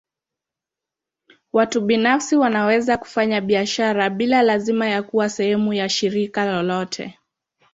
Watu binafsi wanaweza kufanya biashara bila lazima ya kuwa sehemu ya shirika lolote.